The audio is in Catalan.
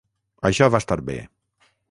Això va estar bé.